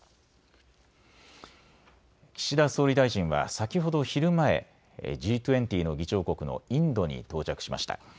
岸田総理大臣は先ほど昼前、Ｇ２０の議長国のインドに到着しました。